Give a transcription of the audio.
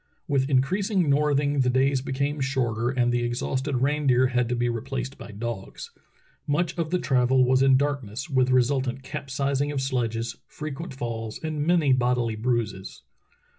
With increasing northing the days became shorter and the exhausted reindeer had to be replaced by dogs. Much of the travel was in darkness, with resultant capsizings of sledges, frequent falls, and many bodily bruises.